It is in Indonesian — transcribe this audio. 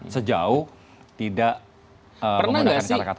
sejauh tidak menggunakan kata kata